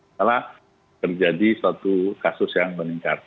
setelah terjadi suatu kasus yang meningkat